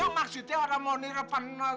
oh maksudnya orang mau nirapan